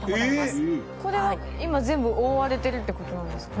これは今全部覆われてるって事なんですかね？